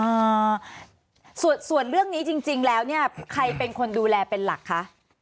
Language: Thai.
เอ่อส่วนเรื่องนี้จริงแล้วนี่ใครเป็นคนดูแลเป็นหลักคะ